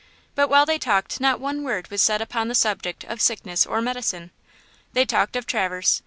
But while they talked not one word was said upon the subject of sickness or medicine. They talked of Traverse.